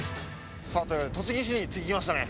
さあというわけで栃木市に着きましたね。